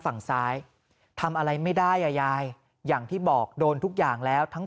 ฝั่งซ้ายทำอะไรไม่ได้อ่ะยายอย่างที่บอกโดนทุกอย่างแล้วทั้ง